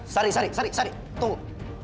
sari sari sari sari tunggu